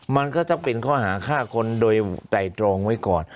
มันก็จะเป็นข้อหาฆ่าคนโดยใจตรงไว้ก่อน